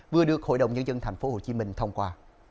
vừa được hội đồng nhân dân thành phố hồ chí minh thông qua